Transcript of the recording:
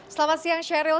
selamat siang sheryl